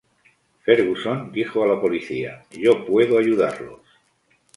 Ferguson dijo a la policía: "Yo puedo ayudarlos.